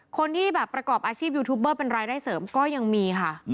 คนที่แบบประกอบอาชีพยูทูปเบอร์เป็นรายได้เสริมก็ยังมีค่ะ